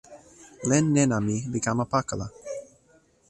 len nena mi li kama pakala.